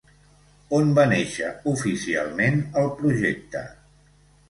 On va néixer oficialment el projecte?